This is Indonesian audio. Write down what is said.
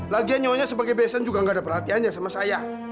lagian nyonya sebagai besen juga gak ada perhatiannya sama saya